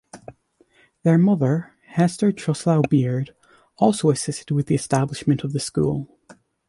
Their mother, Hester Truslow Beard, also assisted with the establishment of the school.